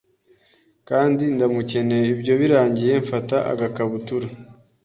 kandi ndamukeneye, ibyo birangiye mfata agakabutur